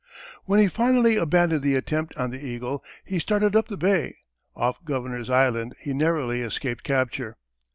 When he finally abandoned the attempt on the Eagle he started up the bay. Off Governor's Island he narrowly escaped capture.